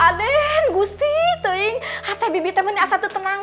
aden gue mau tanya apa yang kamu lakukan yang membuat kamu tenang